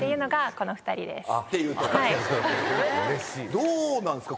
どうなんですか？